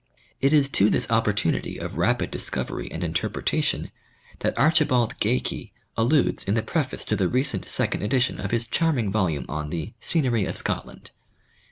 It is to this opportunity of rapid discovery and interpretation that Archibald Geikie alludes in the preface to the recent second edition of his charming volume on the " Scenery of Scotland."